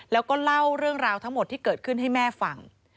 แล้วก็เล่าเรื่องราวทั้งหมดที่เกิดขึ้นให้แม่ฟัง